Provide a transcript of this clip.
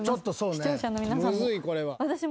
視聴者の皆さんも私も。